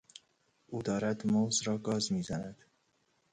او دارد موز را گاز میزند.